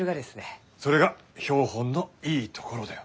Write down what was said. それが標本のいいところだよ。